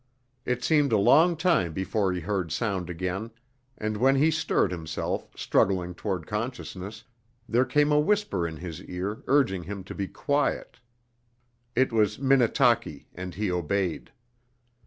It seemed a long time before he heard sound again, and when he stirred himself, struggling toward consciousness, there came a whisper in his ear urging him to be quiet. It was Minnetaki, and he obeyed.